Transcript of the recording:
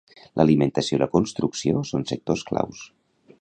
L'alimentació i la construcció són sectors claus.